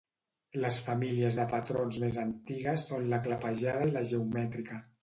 Les famílies de patrons més antigues són la clapejada i la geomètrica.